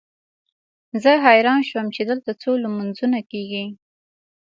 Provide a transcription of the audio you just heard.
زه حیران شوم چې دلته څو لمونځونه کېږي.